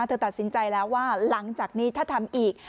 เธอตัดสินใจแล้วว่าหลังจากนี้ถ้าทำอีก